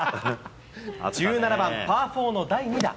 １７番パー４の第２打。